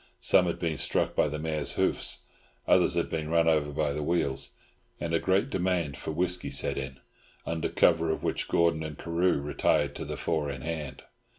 Some had been struck by the mare's hoofs; others had been run over by the wheels; and a great demand for whisky set in, under cover of which Gordon and Carew retired to the four in hand.